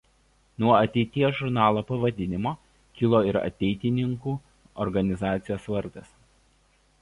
Nuo „Ateities“ žurnalo pavadinimo kilo ir ateitininkų organizacijos vardas.